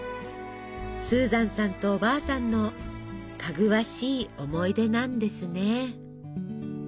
スーザンさんとおばあさんのかぐわしい思い出なんですね。